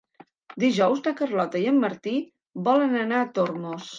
Dijous na Carlota i en Martí volen anar a Tormos.